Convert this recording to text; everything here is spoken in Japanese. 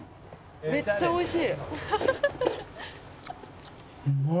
めっちゃ美味しい。